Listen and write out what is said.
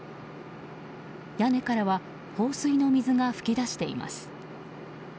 屋根からは放水の水が噴き出しています。